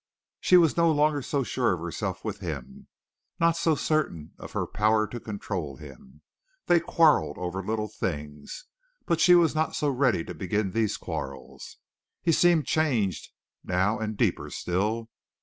She was no longer so sure of herself with him, not so certain of her power to control him. They quarreled over little things, but she was not so ready to begin these quarrels. He seemed changed now and deeper still.